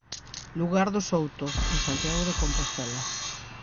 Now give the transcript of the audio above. Lugar do Souto, en Santiago de Compostela.